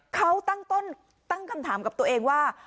เขาตั้งต้นตั้งคำถามกับตัวเองว่า